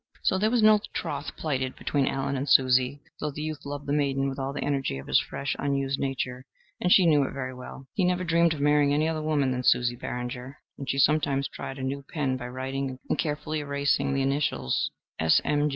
So there was no troth plighted between Allen and Susie, though the youth loved the maiden with all the energy of his fresh, unused nature, and she knew it very well. He never dreamed of marrying any other woman than Susie Barringer, and she sometimes tried a new pen by writing and carefully erasing the initials S.M.